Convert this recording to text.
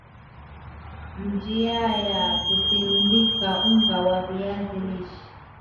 Njiaya kusindika unga wa viazi lish